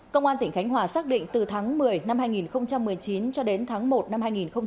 công an tỉnh khánh hòa xác định từ tháng một mươi năm hai nghìn một mươi chín cho đến tháng một năm hai nghìn hai mươi